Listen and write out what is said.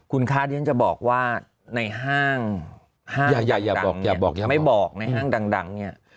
คุณค่าเดี้ยนจะบอกว่าในห้างห้างดังไม่บอกในห้างดังเนี่ย